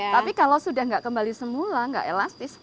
tapi kalau sudah gak kembali semula gak elastis